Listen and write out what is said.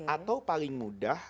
atau paling mudah